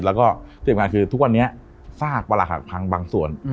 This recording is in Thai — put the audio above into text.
แล้วก็เศรษฐการณ์คือทุกวันนี้ซากปรหัสพังบางส่วน